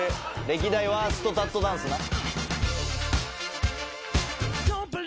歴代ワーストタットダンスな。